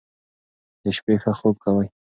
د شپې ښه خوب کوئ.